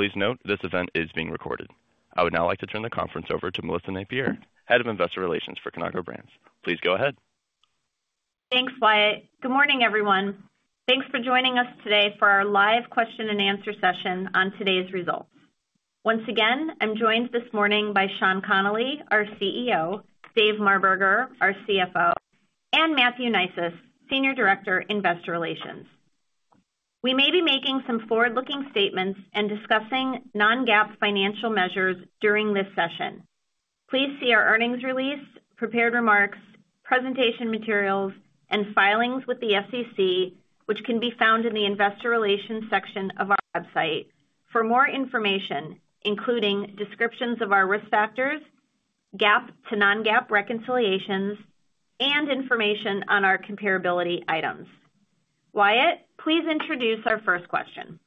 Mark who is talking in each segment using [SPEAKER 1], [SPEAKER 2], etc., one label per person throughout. [SPEAKER 1] Please note this event is being recorded. I would now like to turn the conference over to Melissa Napier, Head of Investor Relations for Conagra Brands. Please go ahead.
[SPEAKER 2] Thanks, Wyatt. Good morning, everyone. Thanks for joining us today for our live question-and-answer session on today's results. Once again, I'm joined this morning by Sean Connolly, our CEO, Dave Marberger, our CFO, and Matthew Neisius, Senior Director, Investor Relations. We may be making some forward-looking statements and discussing non-GAAP financial measures during this session. Please see our earnings release, prepared remarks, presentation materials, and filings with the SEC, which can be found in the Investor Relations section of our website, for more information, including descriptions of our risk factors, GAAP to non-GAAP reconciliations, and information on our comparability items. Wyatt, please introduce our first question.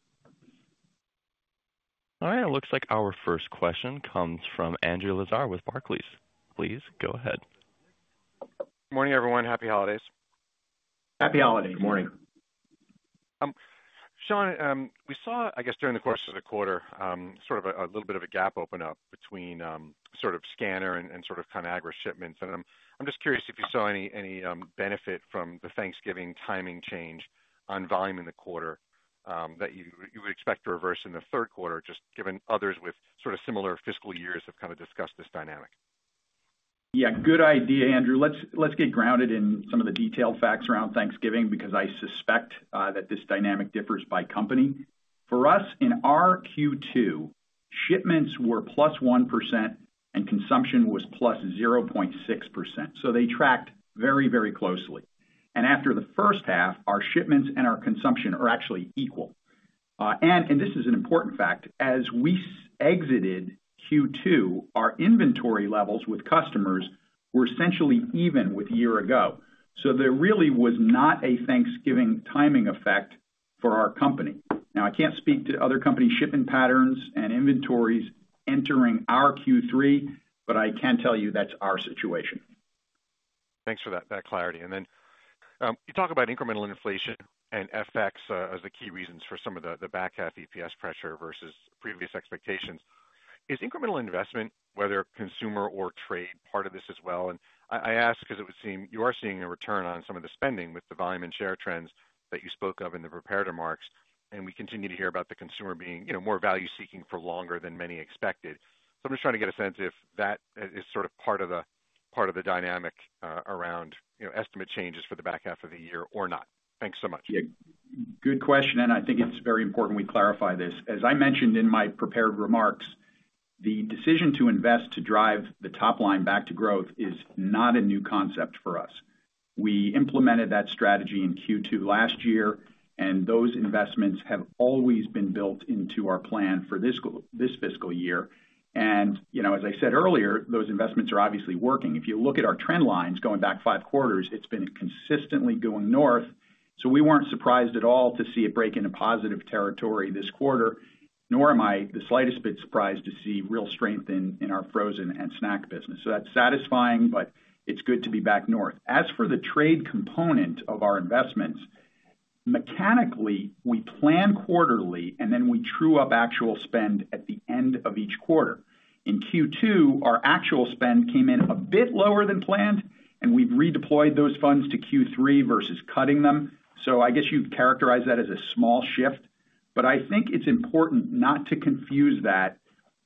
[SPEAKER 1] All right. It looks like our first question comes from Andrew Lazar with Barclays. Please go ahead.
[SPEAKER 3] Good morning, everyone. Happy holidays.
[SPEAKER 4] Happy holidays. Good morning.
[SPEAKER 3] Sean, we saw, I guess, during the course of the quarter, sort of a little bit of a gap open up between sort of scanner and sort of Conagra shipments. And I'm just curious if you saw any benefit from the Thanksgiving timing change on volume in the quarter that you would expect to reverse in the third quarter, just given others with sort of similar fiscal years have kind of discussed this dynamic?
[SPEAKER 4] Yeah. Good idea, Andrew. Let's get grounded in some of the detailed facts around Thanksgiving because I suspect that this dynamic differs by company. For us, in our Q2, shipments were plus 1% and consumption was plus 0.6%. So they tracked very, very closely. And after the first half, our shipments and our consumption are actually equal. And this is an important fact. As we exited Q2, our inventory levels with customers were essentially even with a year ago. So there really was not a Thanksgiving timing effect for our company. Now, I can't speak to other companies' shipping patterns and inventories entering our Q3, but I can tell you that's our situation.
[SPEAKER 3] Thanks for that clarity. And then you talk about incremental inflation and FX as the key reasons for some of the back half EPS pressure versus previous expectations. Is incremental investment, whether consumer or trade, part of this as well? And I ask because it would seem you are seeing a return on some of the spending with the volume and share trends that you spoke of in the prepared remarks. And we continue to hear about the consumer being more value-seeking for longer than many expected. So I'm just trying to get a sense if that is sort of part of the dynamic around estimate changes for the back half of the year or not. Thanks so much.
[SPEAKER 4] Good question. And I think it's very important we clarify this. As I mentioned in my prepared remarks, the decision to invest to drive the top line back to growth is not a new concept for us. We implemented that strategy in Q2 last year, and those investments have always been built into our plan for this fiscal year. And as I said earlier, those investments are obviously working. If you look at our trend lines going back five quarters, it's been consistently going north. So we weren't surprised at all to see it break into positive territory this quarter, nor am I the slightest bit surprised to see real strength in our frozen and snack business. So that's satisfying, but it's good to be back north. As for the trade component of our investments, mechanically, we plan quarterly, and then we true up actual spend at the end of each quarter. In Q2, our actual spend came in a bit lower than planned, and we've redeployed those funds to Q3 versus cutting them. So I guess you'd characterize that as a small shift. But I think it's important not to confuse that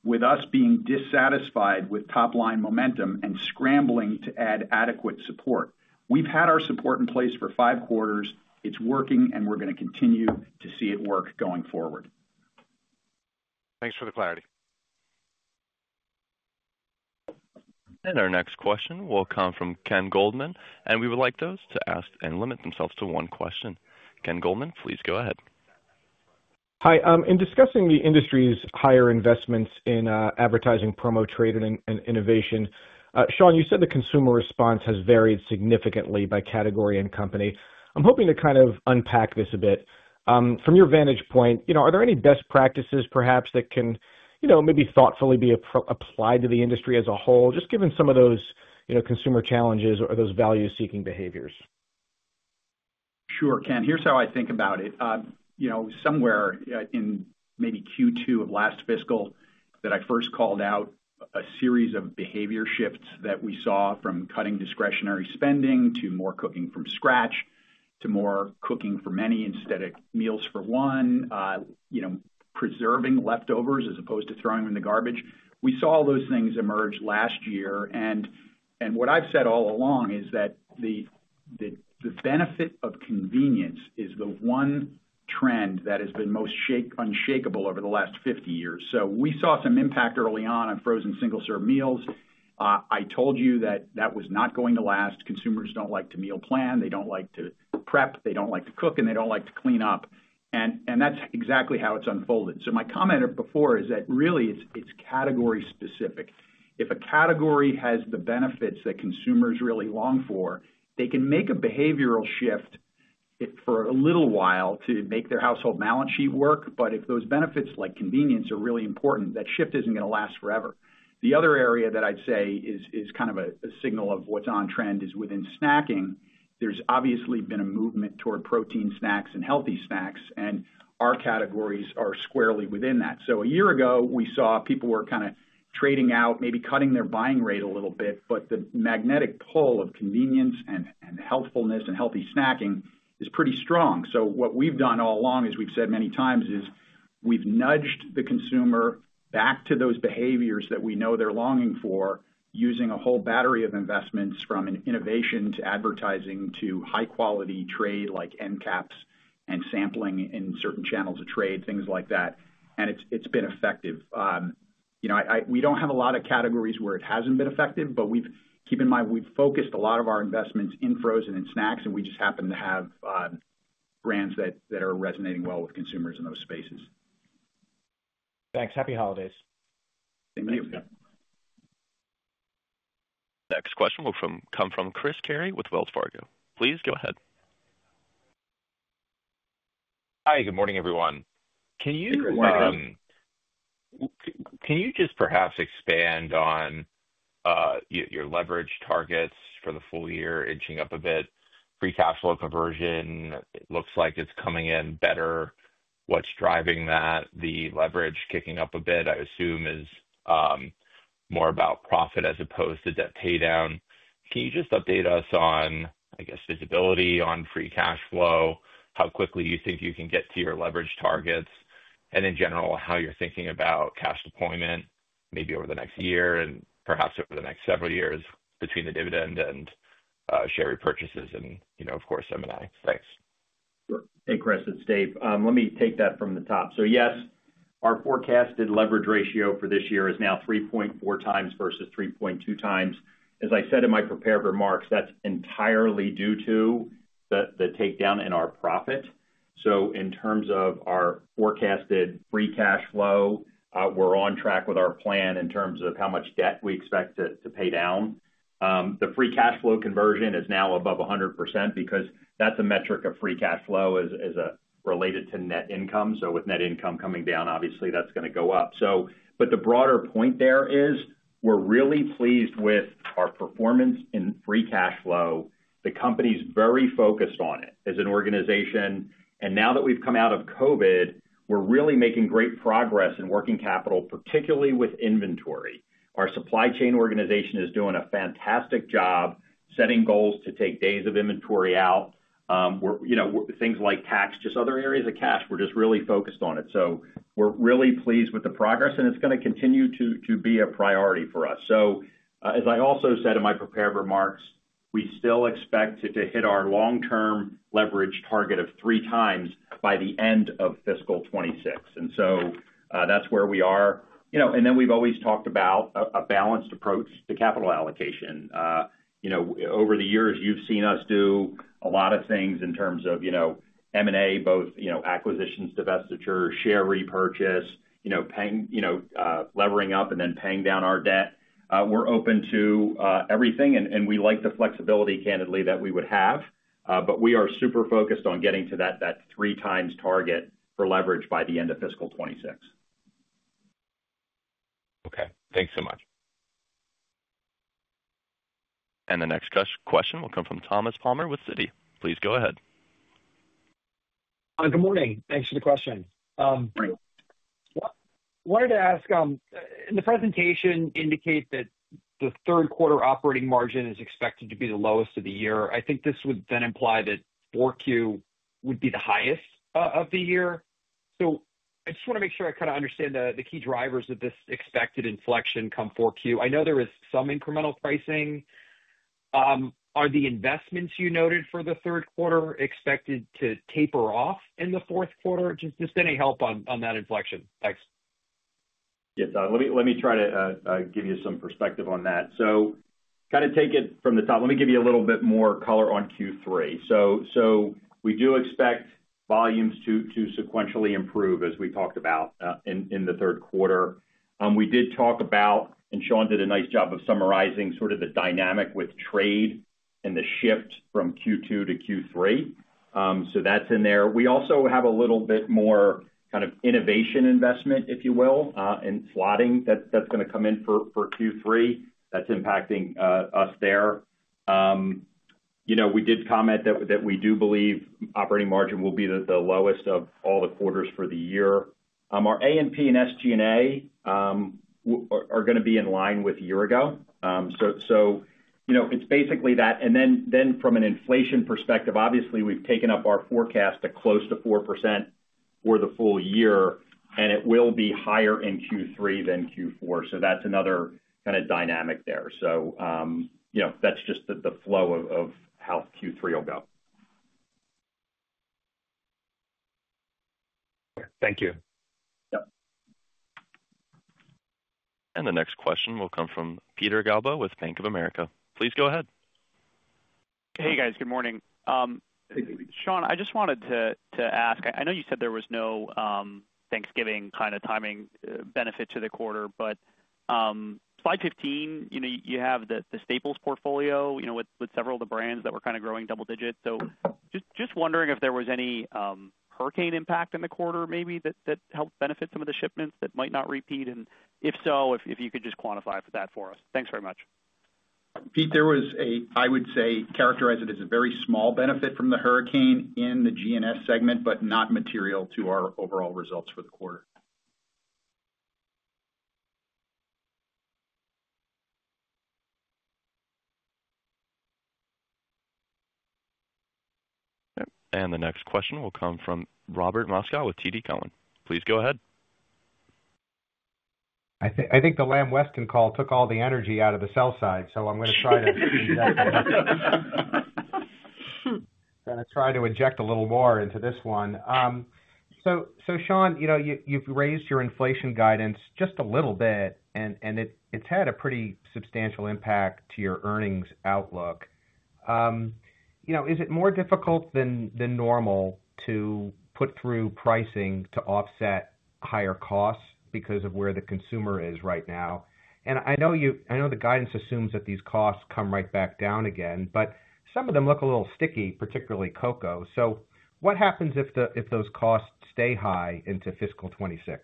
[SPEAKER 4] with us being dissatisfied with top line momentum and scrambling to add adequate support. We've had our support in place for five quarters. It's working, and we're going to continue to see it work going forward.
[SPEAKER 3] Thanks for the clarity.
[SPEAKER 1] Our next question will come from Ken Goldman, and we would like those to ask and limit themselves to one question. Ken Goldman, please go ahead.
[SPEAKER 5] Hi. In discussing the industry's higher investments in advertising, promo trade, and innovation, Sean, you said the consumer response has varied significantly by category and company. I'm hoping to kind of unpack this a bit. From your vantage point, are there any best practices, perhaps, that can maybe thoughtfully be applied to the industry as a whole, just given some of those consumer challenges or those value-seeking behaviors?
[SPEAKER 4] Sure, Ken. Here's how I think about it. Somewhere in maybe Q2 of last fiscal that I first called out a series of behavior shifts that we saw from cutting discretionary spending to more cooking from scratch to more cooking for many instead of meals for one, preserving leftovers as opposed to throwing them in the garbage. We saw all those things emerge last year. And what I've said all along is that the benefit of convenience is the one trend that has been most unshakeable over the last 50 years. So we saw some impact early on on frozen single-serve meals. I told you that that was not going to last. Consumers don't like to meal plan. They don't like to prep. They don't like to cook, and they don't like to clean up. And that's exactly how it's unfolded. So my comment before is that really it's category-specific. If a category has the benefits that consumers really long for, they can make a behavioral shift for a little while to make their household balance sheet work. But if those benefits, like convenience, are really important, that shift isn't going to last forever. The other area that I'd say is kind of a signal of what's on trend is within snacking. There's obviously been a movement toward protein snacks and healthy snacks, and our categories are squarely within that. So a year ago, we saw people were kind of trading out, maybe cutting their buying rate a little bit, but the magnetic pull of convenience and healthfulness and healthy snacking is pretty strong. What we've done all along, as we've said many times, is we've nudged the consumer back to those behaviors that we know they're longing for using a whole battery of investments from innovation to advertising to high-quality trade like end caps and sampling in certain channels of trade, things like that. It's been effective. We don't have a lot of categories where it hasn't been effective, but keep in mind, we've focused a lot of our investments in frozen and snacks, and we just happen to have brands that are resonating well with consumers in those spaces. Thanks. Happy holidays.
[SPEAKER 5] Thank you.
[SPEAKER 1] Next question will come from Chris Carey with Wells Fargo. Please go ahead.
[SPEAKER 6] Hi. Good morning, everyone. Can you just perhaps expand on your leverage targets for the full year, inching up a bit? Free cash flow conversion, it looks like it's coming in better. What's driving that? The leverage kicking up a bit, I assume, is more about profit as opposed to debt paydown. Can you just update us on, I guess, visibility on free cash flow, how quickly you think you can get to your leverage targets, and in general, how you're thinking about cash deployment maybe over the next year and perhaps over the next several years between the dividend and share repurchases and, of course, M&A? Thanks.
[SPEAKER 7] Sure. Hey, Chris. It's Dave. Let me take that from the top. So yes, our forecasted leverage ratio for this year is now 3.4x versus 3.2x. As I said in my prepared remarks, that's entirely due to the takedown in our profit. So in terms of our forecasted free cash flow, we're on track with our plan in terms of how much debt we expect to pay down. The free cash flow conversion is now above 100% because that's a metric of free cash flow related to net income. So with net income coming down, obviously, that's going to go up. But the broader point there is we're really pleased with our performance in free cash flow. The company's very focused on it as an organization. And now that we've come out of COVID, we're really making great progress in working capital, particularly with inventory. Our supply chain organization is doing a fantastic job setting goals to take days of inventory out. Things like tax, just other areas of cash, we're just really focused on it. So we're really pleased with the progress, and it's going to continue to be a priority for us. So as I also said in my prepared remarks, we still expect to hit our long-term leverage target of three times by the end of fiscal 2026. And so that's where we are. And then we've always talked about a balanced approach to capital allocation. Over the years, you've seen us do a lot of things in terms of M&A, both acquisitions, divestiture, share repurchase, levering up, and then paying down our debt. We're open to everything, and we like the flexibility, candidly, that we would have. But we are super focused on getting to that three-times target for leverage by the end of fiscal 2026.
[SPEAKER 6] Okay. Thanks so much.
[SPEAKER 1] And the next question will come from Thomas Palmer with Citi. Please go ahead.
[SPEAKER 8] Good morning. Thanks for the question. Wanted to ask, in the presentation indicate that the third-quarter operating margin is expected to be the lowest of the year. I think this would then imply that 4Q would be the highest of the year. So I just want to make sure I kind of understand the key drivers of this expected inflection come 4Q. I know there is some incremental pricing. Are the investments you noted for the third quarter expected to taper off in the fourth quarter? Just any help on that inflection? Thanks.
[SPEAKER 7] Yes, let me try to give you some perspective on that. So kind of take it from the top. Let me give you a little bit more color on Q3. So we do expect volumes to sequentially improve, as we talked about in the third quarter. We did talk about, and Sean did a nice job of summarizing sort of the dynamic with trade and the shift from Q2 to Q3. So that's in there. We also have a little bit more kind of innovation investment, if you will, and slotting that's going to come in for Q3. That's impacting us there. We did comment that we do believe operating margin will be the lowest of all the quarters for the year. Our A&P and SG&A are going to be in line with a year ago. So it's basically that. And then from an inflation perspective, obviously, we've taken up our forecast to close to 4% for the full year, and it will be higher in Q3 than Q4. So that's another kind of dynamic there. So that's just the flow of how Q3 will go.
[SPEAKER 1] Thank you. And the next question will come from Peter Galbo with Bank of America. Please go ahead.
[SPEAKER 9] Hey, guys. Good morning. Sean, I just wanted to ask. I know you said there was no Thanksgiving kind of timing benefit to the quarter, but slide 15, you have the Staples portfolio with several of the brands that were kind of growing double-digit, so just wondering if there was any hurricane impact in the quarter maybe that helped benefit some of the shipments that might not repeat, and if so, if you could just quantify that for us. Thanks very much.
[SPEAKER 4] Pete, there was a, I would say, characterize it as a very small benefit from the hurricane in the G&S segment, but not material to our overall results for the quarter.
[SPEAKER 1] And the next question will come from Robert Moskow with TD Cowen. Please go ahead.
[SPEAKER 10] I think the Lamb Weston call took all the energy out of the sell side, so I'm going to try to inject a little more into this one. Sean, you've raised your inflation guidance just a little bit, and it's had a pretty substantial impact to your earnings outlook. Is it more difficult than normal to put through pricing to offset higher costs because of where the consumer is right now? I know the guidance assumes that these costs come right back down again, but some of them look a little sticky, particularly cocoa. What happens if those costs stay high into fiscal 2026?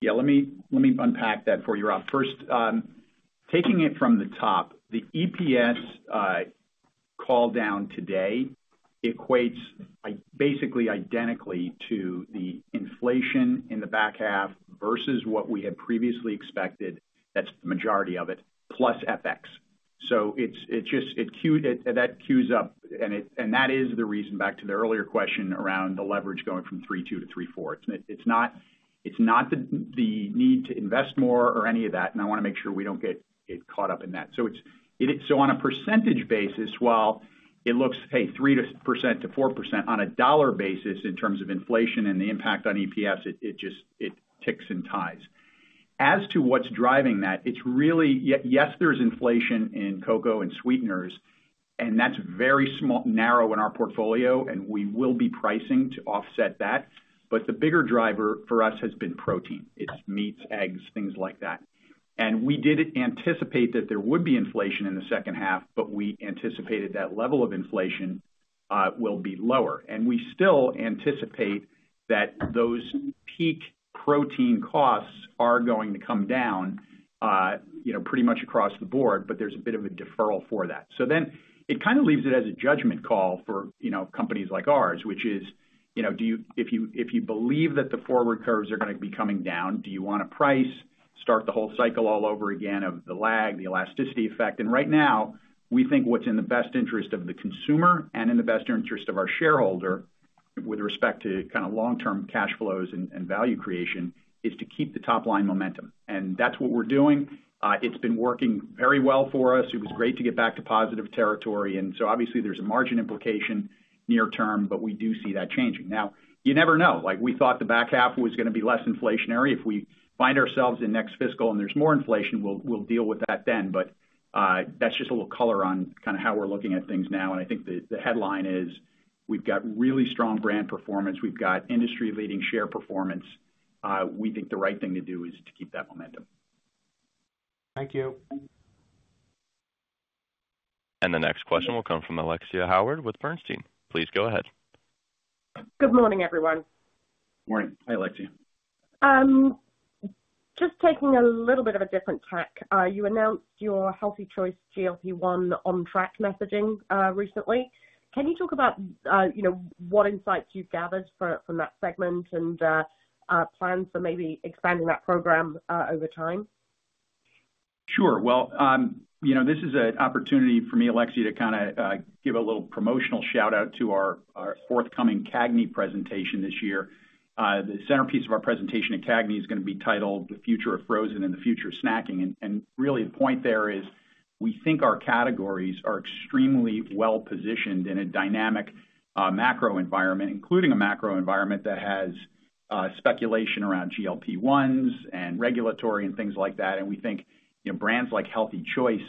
[SPEAKER 4] Yeah, let me unpack that for you, Rob. First, taking it from the top, the EPS call down today equates basically identically to the inflation in the back half versus what we had previously expected. That's the majority of it, plus FX. So that cues up, and that is the reason back to the earlier question around the leverage going from 3.2-3.4. It's not the need to invest more or any of that, and I want to make sure we don't get caught up in that. So on a percentage basis, while it looks, hey, 3%-4% on a dollar basis in terms of inflation and the impact on EPS, it ticks and ties. As to what's driving that, it's really, yes, there's inflation in cocoa and sweeteners, and that's very narrow in our portfolio, and we will be pricing to offset that. But the bigger driver for us has been protein. It's meats, eggs, things like that, and we did anticipate that there would be inflation in the second half, but we anticipated that level of inflation will be lower, and we still anticipate that those peak protein costs are going to come down pretty much across the board, but there's a bit of a deferral for that, so then it kind of leaves it as a judgment call for companies like ours, which is, if you believe that the forward curves are going to be coming down, do you want to price, start the whole cycle all over again of the lag, the elasticity effect? Right now, we think what's in the best interest of the consumer and in the best interest of our shareholder with respect to kind of long-term cash flows and value creation is to keep the top-line momentum. And that's what we're doing. It's been working very well for us. It was great to get back to positive territory. And so obviously, there's a margin implication near term, but we do see that changing. Now, you never know. We thought the back half was going to be less inflationary. If we find ourselves in next fiscal and there's more inflation, we'll deal with that then. But that's just a little color on kind of how we're looking at things now. And I think the headline is we've got really strong brand performance. We've got industry-leading share performance. We think the right thing to do is to keep that momentum.
[SPEAKER 10] Thank you.
[SPEAKER 1] The next question will come from Alexia Howard with Bernstein. Please go ahead.
[SPEAKER 11] Good morning, everyone.
[SPEAKER 7] Good morning.
[SPEAKER 4] Hi, Alexia.
[SPEAKER 11] Just taking a little bit of a different tack. You announced your Healthy Choice GLP-1 on-track messaging recently. Can you talk about what insights you've gathered from that segment and plans for maybe expanding that program over time?
[SPEAKER 4] Sure. Well, this is an opportunity for me, Alexia, to kind of give a little promotional shout-out to our forthcoming CAGNY presentation this year. The centerpiece of our presentation at CAGNY is going to be titled The Future of Frozen and the Future of Snacking. Really, the point there is we think our categories are extremely well-positioned in a dynamic macro environment, including a macro environment that has speculation around GLP-1s and regulatory and things like that. We think brands like Healthy Choice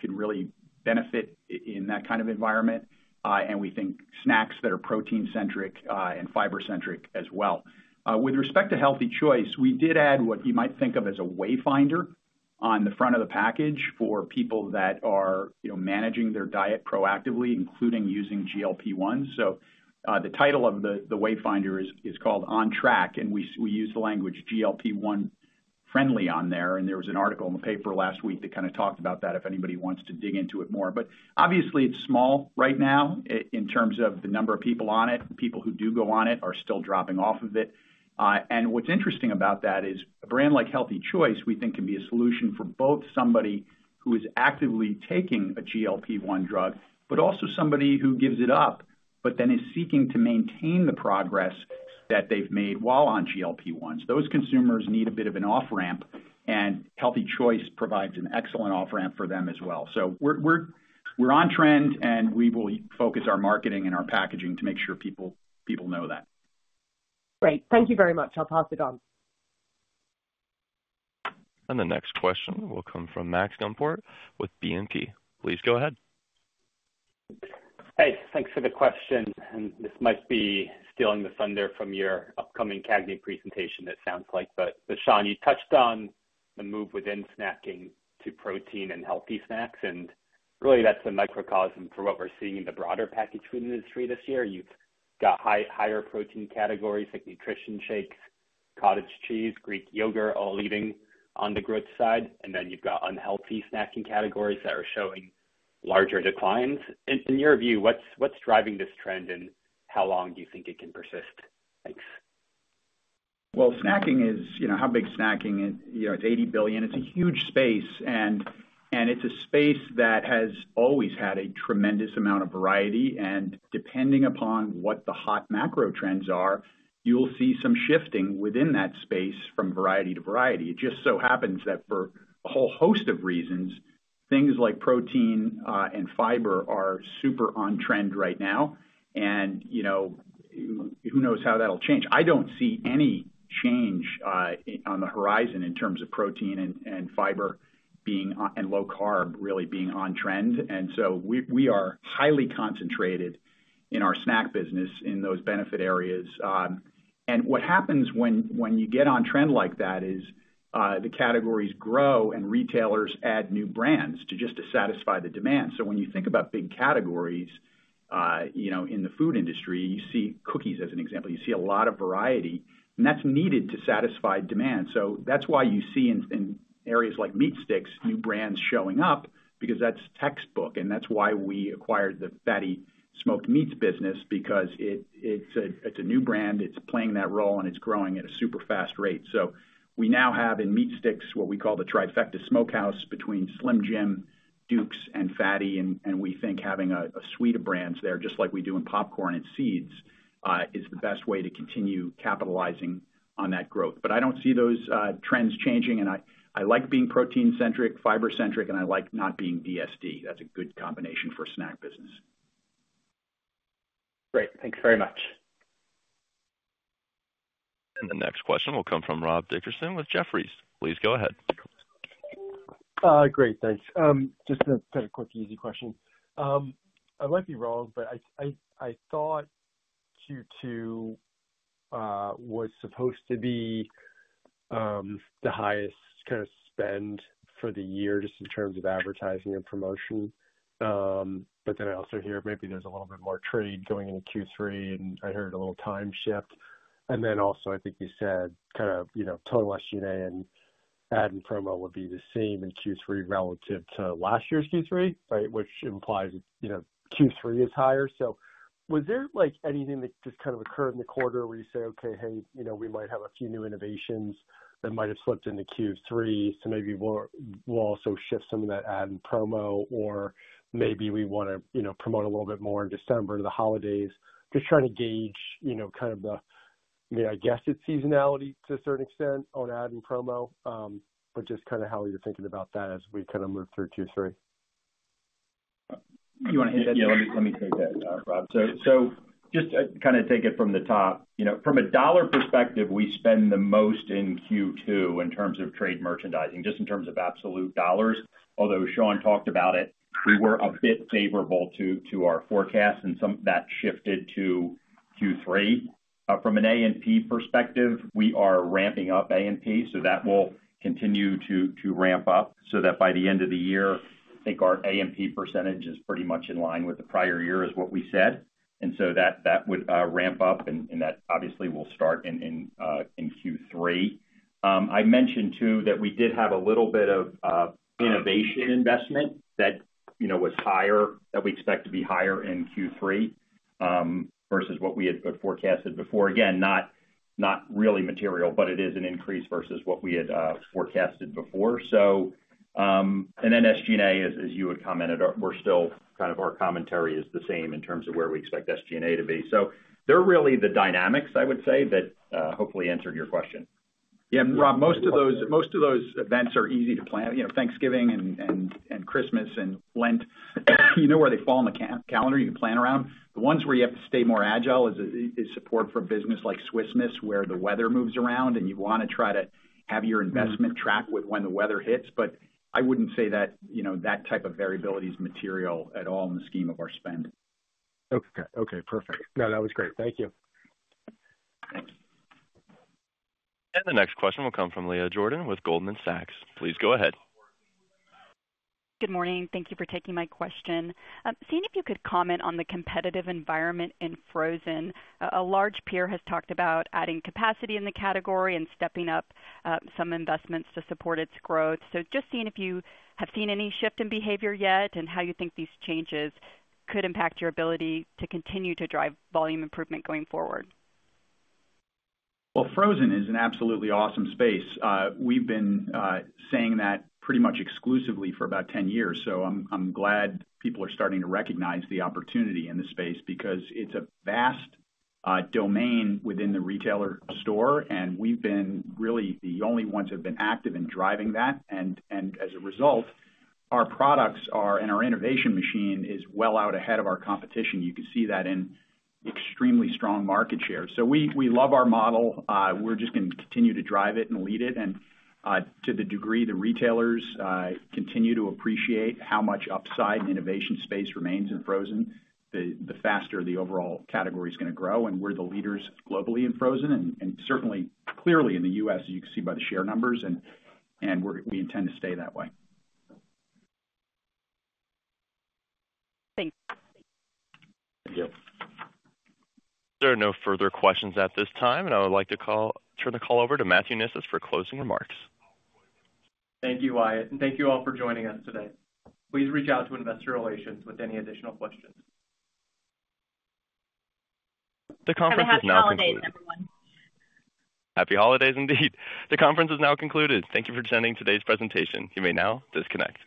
[SPEAKER 4] could really benefit in that kind of environment. We think snacks that are protein-centric and fiber-centric as well. With respect to Healthy Choice, we did add what you might think of as a wayfinder on the front of the package for people that are managing their diet proactively, including using GLP-1s. So the title of the wayfinder is called On Track, and we use the language GLP-1 friendly on there. And there was an article in the paper last week that kind of talked about that if anybody wants to dig into it more. But obviously, it's small right now in terms of the number of people on it. People who do go on it are still dropping off of it. And what's interesting about that is a brand like Healthy Choice, we think, can be a solution for both somebody who is actively taking a GLP-1 drug, but also somebody who gives it up, but then is seeking to maintain the progress that they've made while on GLP-1s. Those consumers need a bit of an off-ramp, and Healthy Choice provides an excellent off-ramp for them as well. So we're on trend, and we will focus our marketing and our packaging to make sure people know that.
[SPEAKER 11] Great. Thank you very much. I'll pass it on.
[SPEAKER 1] And the next question will come from Max Gumport with BNP. Please go ahead.
[SPEAKER 12] Hey, thanks for the question. And this might be stealing the thunder from your upcoming CAGNY presentation, it sounds like. But Sean, you touched on the move within snacking to protein and healthy snacks. And really, that's a microcosm for what we're seeing in the broader packaging industry this year. You've got higher protein categories like nutrition shakes, cottage cheese, Greek yogurt, all leading on the growth side. And then you've got unhealthy snacking categories that are showing larger declines. In your view, what's driving this trend, and how long do you think it can persist? Thanks.
[SPEAKER 4] How big is snacking? It's $80 billion. It's a huge space, and it's a space that has always had a tremendous amount of variety. And depending upon what the hot macro trends are, you'll see some shifting within that space from variety to variety. It just so happens that for a whole host of reasons, things like protein and fiber are super on trend right now. And who knows how that'll change? I don't see any change on the horizon in terms of protein and fiber and low carb really being on trend. And so we are highly concentrated in our snack business in those benefit areas. And what happens when you get on trend like that is the categories grow, and retailers add new brands to just satisfy the demand. So when you think about big categories in the food industry, you see cookies as an example. You see a lot of variety, and that's needed to satisfy demand. So that's why you see in areas like meat sticks, new brands showing up because that's textbook. And that's why we acquired the FATTY Smoked Meats business because it's a new brand. It's playing that role, and it's growing at a super fast rate. So we now have in meat sticks what we call the trifecta smokehouse between Slim Jim, Duke's, and FATTY. And we think having a suite of brands there, just like we do in popcorn and seeds, is the best way to continue capitalizing on that growth. But I don't see those trends changing. And I like being protein-centric, fiber-centric, and I like not being DSD. That's a good combination for a snack business.
[SPEAKER 12] Great. Thanks very much.
[SPEAKER 1] And the next question will come from Rob Dickerson with Jefferies. Please go ahead.
[SPEAKER 13] Great. Thanks. Just a quick, easy question. I might be wrong, but I thought Q2 was supposed to be the highest kind of spend for the year just in terms of advertising and promotion. But then I also hear maybe there's a little bit more trade going into Q3, and I heard a little time shift. And then also, I think you said kind of total SG&A and ad and promo would be the same in Q3 relative to last year's Q3, right, which implies Q3 is higher. Was there anything that just kind of occurred in the quarter where you say, "Okay, hey, we might have a few new innovations that might have slipped into Q3, so maybe we'll also shift some of that add and promo, or maybe we want to promote a little bit more in December to the holidays," just trying to gauge kind of the, I guess, it's seasonality to a certain extent on add and promo, but just kind of how you're thinking about that as we kind of move through Q3?
[SPEAKER 4] You want to hit that?
[SPEAKER 7] Yeah, let me take that, Rob. So just kind of take it from the top. From a dollar perspective, we spend the most in Q2 in terms of trade merchandising, just in terms of absolute dollars. Although Sean talked about it, we were a bit favorable to our forecast, and that shifted to Q3. From an A&P perspective, we are ramping up A&P, so that will continue to ramp up so that by the end of the year, I think our A&P percentage is pretty much in line with the prior year is what we said. And so that would ramp up, and that obviously will start in Q3. I mentioned too that we did have a little bit of innovation investment that was higher, that we expect to be higher in Q3 versus what we had forecasted before. Again, not really material, but it is an increase versus what we had forecasted before, and then SG&A, as you had commented, we're still kind of our commentary is the same in terms of where we expect SG&A to be, so they're really the dynamics, I would say, that hopefully answered your question.
[SPEAKER 4] Yeah, Rob, most of those events are easy to plan. Thanksgiving and Christmas and Lent, you know where they fall on the calendar, you can plan around. The ones where you have to stay more agile is support for business like Swiss Miss, where the weather moves around, and you want to try to have your investment track with when the weather hits. But I wouldn't say that that type of variability is material at all in the scheme of our spend.
[SPEAKER 13] Okay. Okay. Perfect. No, that was great. Thank you.
[SPEAKER 7] Thanks.
[SPEAKER 1] The next question will come from Leah Jordan with Goldman Sachs. Please go ahead.
[SPEAKER 14] Good morning. Thank you for taking my question. Seeing if you could comment on the competitive environment in frozen? A large peer has talked about adding capacity in the category and stepping up some investments to support its growth. So just seeing if you have seen any shift in behavior yet and how you think these changes could impact your ability to continue to drive volume improvement going forward?
[SPEAKER 4] Frozen is an absolutely awesome space. We've been saying that pretty much exclusively for about 10 years. I'm glad people are starting to recognize the opportunity in the space because it's a vast domain within the retailer store, and we've been really the only ones that have been active in driving that. And as a result, our products and our innovation machine is well out ahead of our competition. You can see that in extremely strong market share. We love our model. We're just going to continue to drive it and lead it. To the degree the retailers continue to appreciate how much upside in innovation space remains in frozen, the faster the overall category is going to grow. We're the leaders globally in frozen and certainly clearly in the U.S., as you can see by the share numbers, and we intend to stay that way.
[SPEAKER 14] Thanks.
[SPEAKER 4] Thank you.
[SPEAKER 1] There are no further questions at this time, and I would like to turn the call over to Matthew Neisius for closing remarks.
[SPEAKER 15] Thank you, Wyatt. Thank you all for joining us today. Please reach out to Investor Relations with any additional questions.
[SPEAKER 1] The conference is now concluded.
[SPEAKER 2] Happy holidays, everyone.
[SPEAKER 1] Happy holidays indeed. The conference is now concluded. Thank you for attending today's presentation. You may now disconnect.